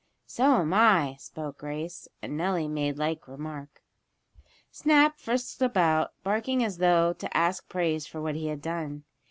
"So am I," spoke Grace, and Nellie made like remark. Snap frisked about, barking as though to ask praise for what he had done.